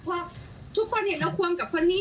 พอทุกคนเห็นเราควงกับคนนี้